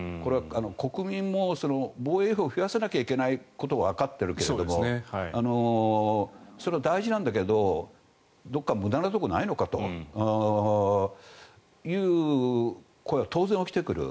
国民も防衛費を増やさなきゃいけないことはわかっているけどもそれは大事なんだけどどこか無駄なところないのかという声は当然起きてくる。